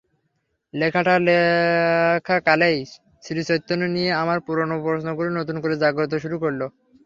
লেখাটা লেখাকালেই শ্রীচৈতন্য নিয়ে আমার পুরোনো প্রশ্নগুলো নতুন করে জাগতে শুরু করল।